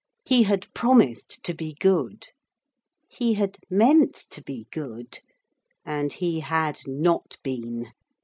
He had promised to be good. He had meant to be good. And he had not been.